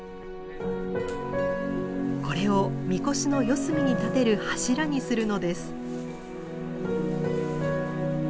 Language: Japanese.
これを神輿の四隅に立てる柱にするのです。